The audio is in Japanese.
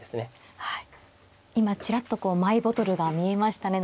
今ちらっとこうマイボトルが見えましたね